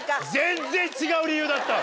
全然違う理由だったわ！